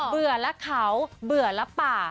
เผื่อแล้วเขาเผื่อแล้วป่า